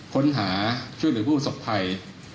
ค้นหาช่วยเหลือผู้สบภัย